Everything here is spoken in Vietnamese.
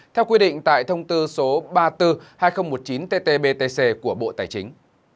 theo quy định tại thông tư số ba mươi bốn hai nghìn một mươi chín ttbtc của bộ tài chính